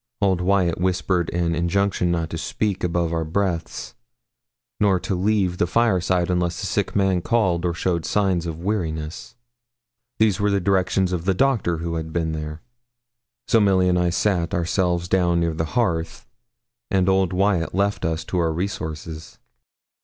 Old Wyat whispered an injunction not to speak above our breaths, nor to leave the fireside unless the sick man called or showed signs of weariness. These were the directions of the doctor, who had been there. So Milly and I sat ourselves down near the hearth, and old Wyat left us to our resources.